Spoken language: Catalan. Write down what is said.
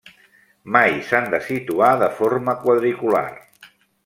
Mai s'han de situar de forma quadricular.